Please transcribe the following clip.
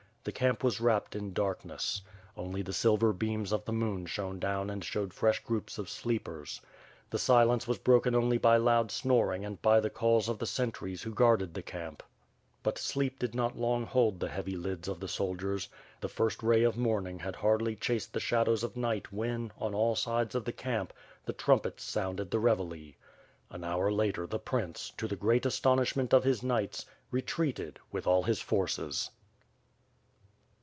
The camp was wrapped in darkness. Only the silver beams of the moon shone down and showed fresh groups of sleepers. The silence was broken only by loud snoring and by the calls of the sentries who guarded the camp. But sleep did not long hold the heavy lids of the soldiers. The first ray of morning had hardly chased the shadows of night when, on all sides of the camp, the trumpets sounded the revielle. An hour later, the prince, to the great astonishment of his knights, retreated with all his forces.